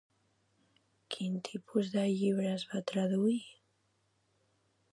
Quins tipus de llibres va traduir?